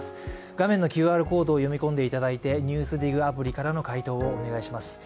画面のＱＲコードを読み込んでいただいて「ＮＥＷＳＤＩＧ」アプリから回答をお願いします。